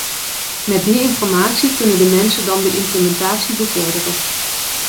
Met die informatie kunnen de mensen dan de implementatie bevorderen.